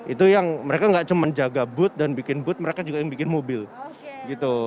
itu yang mereka nggak cuma jaga booth dan bikin booth mereka juga yang bikin mobil gitu